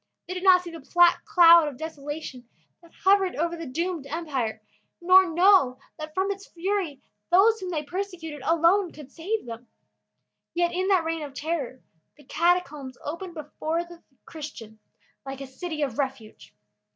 They did not see the black cloud of desolation that hovered over the doomed empire, nor know that from its fury those whom they persecuted alone could save them. Yet in that reign of terror the Catacombs opened before the Christian like a city of refuge.